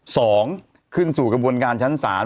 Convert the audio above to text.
สองขึ้นสู่กระบวนการชั้นศาล